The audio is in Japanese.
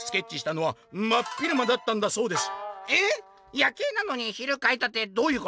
夜警なのに昼描いたってどういうこと？」。